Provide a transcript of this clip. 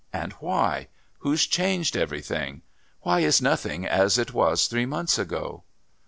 And why? Who's changed everything? Why is nothing as it was three months ago?"